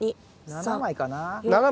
７枚かな。